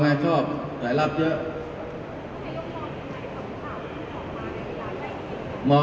แต่มันก็รุนมาเรื่อยที่สุด